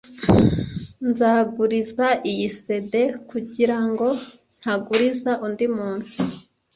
Nzaguriza iyi CD kugirango ntaguriza undi muntu.